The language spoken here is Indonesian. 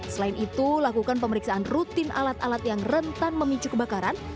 selain itu lakukan pemeriksaan rutin alat alat yang rentan memicu kebakaran